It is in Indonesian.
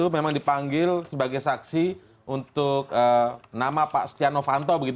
memang dipanggil sebagai saksi untuk nama pak stiano vanto